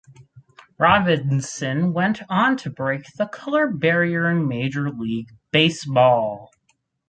Robinson went on to break the color barrier in Major League Baseball.